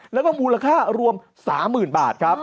แล้วก็มูลค่ารวม๓๐๐๐บาทครับ